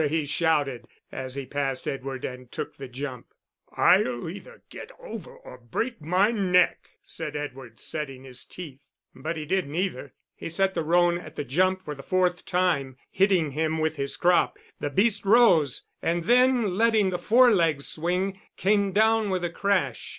he shouted, as he passed Edward and took the jump. "I'll either get over or break my neck," said Edward, setting his teeth. But he did neither. He set the roan at the jump for the fourth time, hitting him with his crop; the beast rose, and then letting the fore leg swing, came down with a crash.